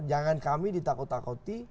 jangan kami ditakut takuti